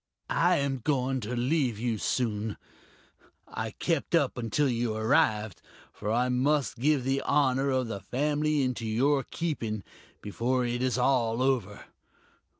"I am going to leave you soon.... I kept up until you arrived, for I must give the honor of the family into your keeping, before it is all over....